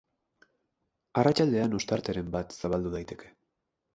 Arratsaldean ostarteren bat zabaldu daiteke.